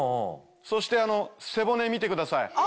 そして背骨見てください。